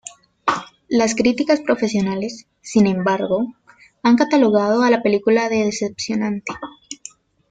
Las críticas profesionales, sin embargo, han catalogado a la película de decepcionante.